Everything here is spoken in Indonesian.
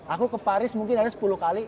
aku ke paris mungkin hanya sepuluh kali